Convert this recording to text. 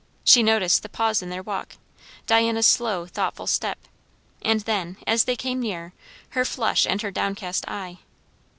She noticed the pause in their walk, Diana's slow, thoughtful step; and then, as they came near, her flush and her downcast eye.